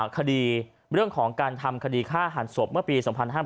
คดีเรื่องของการทำคดีฆ่าหันศพเมื่อปี๒๕๕๘